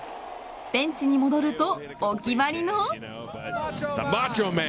ベンチに戻るとお決まりの。